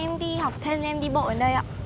em đi học thêm cho em đi bộ đến đây ạ